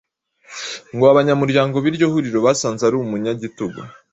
Ngo abanyamuryango b’iryo huriro basanze ari umunyagitugu